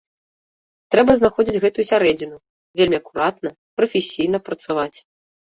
Трэба знаходзіць гэтую сярэдзіну, вельмі акуратна, прафесійна працаваць.